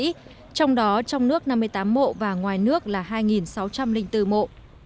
trong đó trong nước năm mươi tám mộ và ngoài nước là hai sáu trăm linh bốn mộ